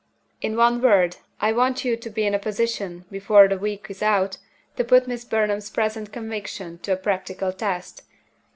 In one word, I want you to be in a position, before the week is out, to put Miss Burnham's present conviction to a practical test.